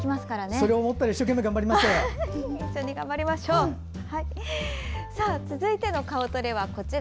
それを思って一生懸命、頑張りますから！